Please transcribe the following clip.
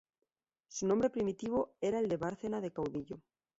Su nombre primitivo era el de "Bárcena del Caudillo".